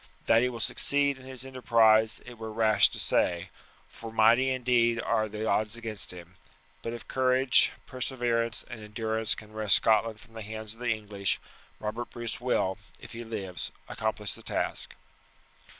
That he will succeed in his enterprise it were rash to say, for mighty indeed are the odds against him; but if courage, perseverance, and endurance can wrest Scotland from the hands of the English, Robert Bruce will, if he lives, accomplish the task."